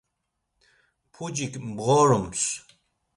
Pucik mğorums.